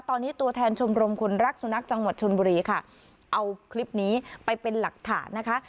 ตอนนี้ตัวแทนชมรมคนรักสุนัขจังหวัดชนบุรีค่ะเอาคลิปนี้ไปเป็นหลักฐานนะคะ